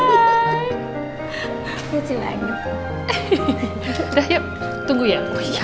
udah yuk tunggu ya